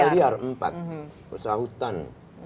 ada rusa liar empat rusa hutan